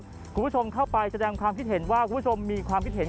คุณผู้ชมเข้าไปแสดงความคิดเห็นว่าคุณผู้ชมมีความคิดเห็น